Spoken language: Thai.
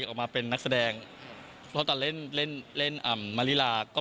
จะมีโอกาสได้กลับไปเจอเฮียวเวียบ้างมั้ยคะ